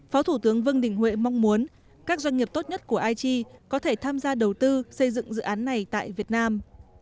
phó thủ tướng vương đình huệ mong muốn các doanh nghiệp tốt nhất của aichi có thể tham gia đầu tư xây dựng dự án này tại việt nam